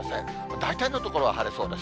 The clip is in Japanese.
大体の所は晴れそうです。